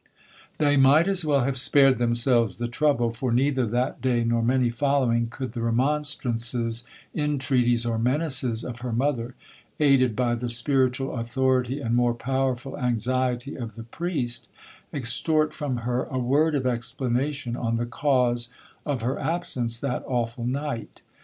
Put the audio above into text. They might as well have spared themselves the trouble, for neither that day nor many following, could the remonstrances, intreaties, or menaces of her mother, aided by the spiritual authority and more powerful anxiety of the priest, extort from her a word of explanation on the cause of her absence that awful night.